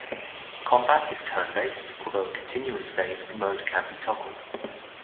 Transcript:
Combat is turn-based, although a continuous-phase mode can be toggled.